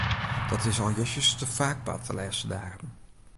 Dat is al justjes te faak bard de lêste dagen.